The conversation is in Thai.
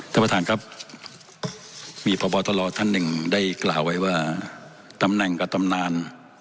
ท่านประธานครับมีพบตรท่านหนึ่งได้กล่าวไว้ว่าตำแหน่งกับตำนาน